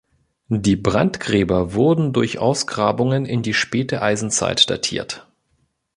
Die Brandgräber wurden durch Ausgrabungen in die späte Eisenzeit datiert.